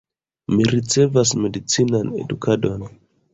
Mi ricevas medicinan edukon.